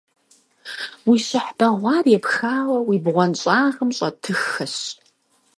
Уи щыхь бэгъуар епхауэ уи бгъуэнщӀагъым щӀэтыххэщ.